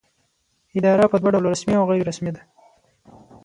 اداره په دوه ډوله رسمي او غیر رسمي ده.